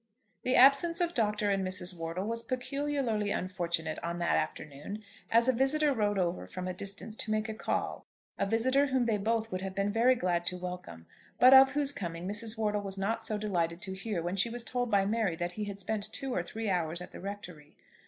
THE absence of Dr. and Mrs. Wortle was peculiarly unfortunate on that afternoon, as a visitor rode over from a distance to make a call, a visitor whom they both would have been very glad to welcome, but of whose coming Mrs. Wortle was not so delighted to hear when she was told by Mary that he had spent two or three hours at the Rectory.